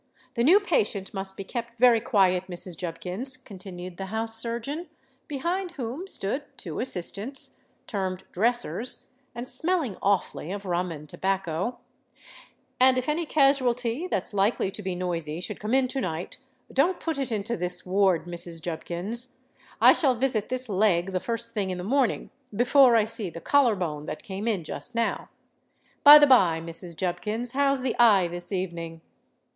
"The new patient must be kept very quiet, Mrs. Jubkins," continued the house surgeon, behind whom stood two assistants, termed dressers, and smelling awfully of rum and tobacco: "and if any casualty that's likely to be noisy should come in to night, don't put it into this ward, Mrs. Jubkins. I shall visit this Leg the first thing in the morning, before I see the Collar Bone that came in just now. By the by, Mrs. Jubkins, how's the Eye this evening?"